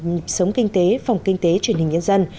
nhịp sống kinh tế phòng kinh tế truyền hình nhân dân